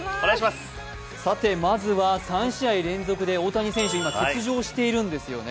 まずは３試合連続で今大谷選手、欠場しているんですよね。